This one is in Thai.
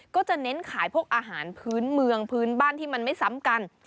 ก็จะเน้นขายพวกอาหารพื้นเมืองพื้นบ้านที่มันไม่ซ้ำกัน